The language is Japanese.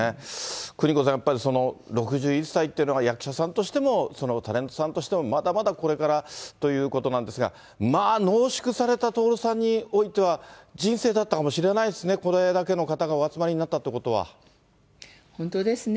邦子さん、やはり６１歳っていうのは、役者さんとしても、タレントさんとしても、まだまだこれからということなんですが、まあ、濃縮された、徹さんにおいては、人生だったかもしれないですね、これだけの方がお本当ですね。